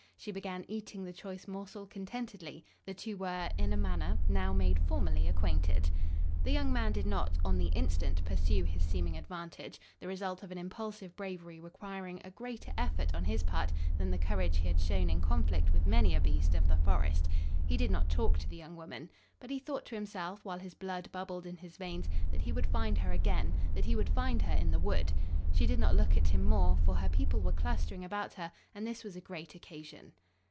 She began eating the choice morsel contentedly; the two were, in a manner, now made formally acquainted. The young man did not, on the instant, pursue his seeming advantage, the result of an impulsive bravery requiring a greater effort on his part than the courage he had shown in conflict with many a beast of the forest. He did not talk to the young woman. But he thought to himself, while his blood bubbled in his veins, that he would find her again; that he would find her in the wood! She did not look at him more, for her people were clustering about her and this was a great occasion.